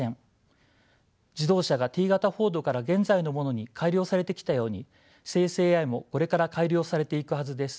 自動車がＴ型フォードから現在のものに改良されてきたように生成ＡＩもこれから改良されていくはずです。